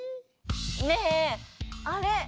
ねぇあれ！